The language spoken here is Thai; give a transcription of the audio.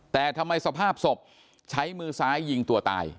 แต่ทำไมสภาพศพใช้มือซ้ายยิงตัวตาย